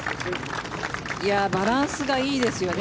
バランスがいいですよね